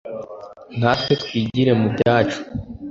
Na twe twigire mu byacu!"